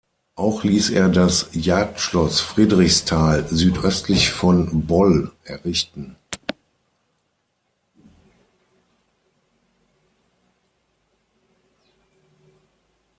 Auch ließ er das Jagdschloss Friedrichstal südöstlich von Boll errichten.